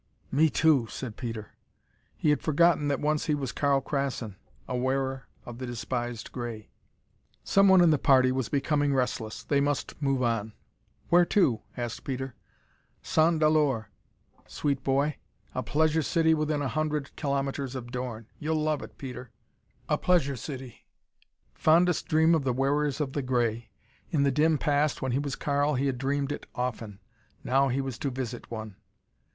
"Me, too," said Peter. He had forgotten that once he was Karl Krassin, a wearer of the despised gray. Someone in the party was becoming restless. They must move on. "Where to?" asked Peter. "Sans Dolor, sweet boy. A pleasure city within a hundred kilometers of Dorn. You'll love it, Peter." A pleasure city! Fondest dream of the wearers of the gray! In the dim past, when he was Karl, he had dreamed it often. Now he was to visit one!